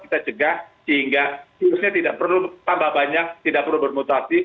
kita cegah sehingga virusnya tidak perlu tambah banyak tidak perlu bermutasi